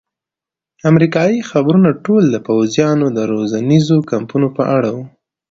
امریکایي خبرونه ټول د پوځیانو د روزنیزو کمپونو په اړه وو.